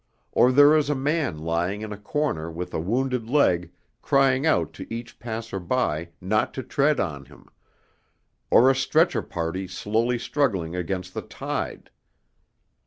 Or there is a man lying in a corner with a wounded leg crying out to each passer by not to tread on him, or a stretcher party slowly struggling against the tide.